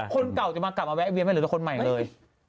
คนเก่าจะมากลับมาแวะเวียนไม่เหลือแต่คนใหม่เลย